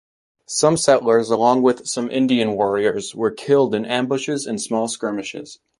Some settlers, along with some Indian warriors, were killed in ambushes and small skirmishes.